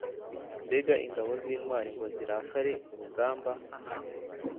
Mbega ingabo z’intwari, ngo zirakera urugamba!